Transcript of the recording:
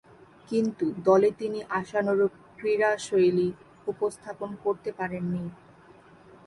কিন্তু দলে তিনি আশানুরূপ ক্রীড়াশৈলী উপস্থাপন করতে পারেননি।